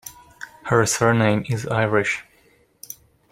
Her surname is Irish.